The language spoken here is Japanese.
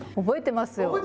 覚えてます？